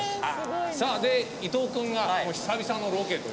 さあ伊藤君が久々のロケという事で。